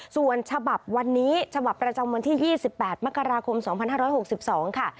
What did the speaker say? ส่วนฉบับวันนี้ฉบับประจำวันที่๒๘มกราคม๒๕๖๒ค่ะ